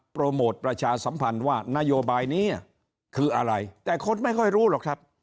โปรโมทประชาสัมพันธ์ว่านโยบายนี้คืออะไรแต่คนไม่ค่อยรู้หรอกครับ